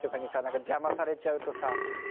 何か邪魔されちゃうとさ。